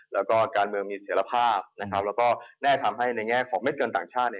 และการเมืองมีเสียรภาพและก็แน่ทรัพย์ให้ในแง่ของเม็ดเงินต่างชาติ